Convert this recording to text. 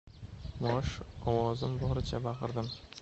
Mosh! - Ovozim boricha baqirdim.